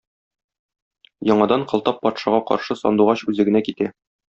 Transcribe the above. Яңадан Кылтап патшага каршы Сандугач үзе генә китә.